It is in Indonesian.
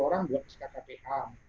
empat lima puluh orang buat skkph